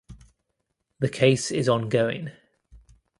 The case is ongoing.